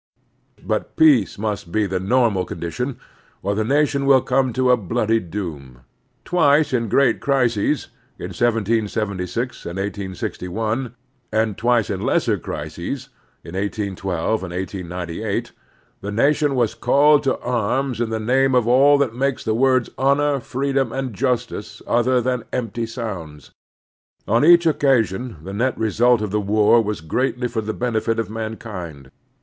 But peace must be the normal condition, or the nation will come to a bloody doom. Twice in great crises, in 1776 and 1861, and twice in lesser crises, in 181 2 and 1898, the nation was called to arms in the name of all that makes the words "honor," "freedom," and "justice" other than empty sotmds. On each occasion the net result of the war was greatly for the benefit of mankind.